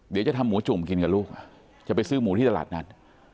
เดี๋ยวจะทำหมูจุ่มกินกับลูกจะไปซื้อหมูที่ตลาดนัด